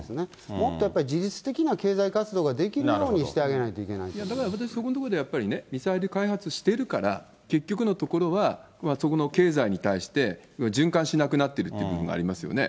もっとやっぱり事実的な経済活動ができるようにしてあげないといだから私、そこのところでやっぱりね、ミサイル開発してるから、結局のところは、そこの経済に対して、循環しなくなってるという部分がありますよね。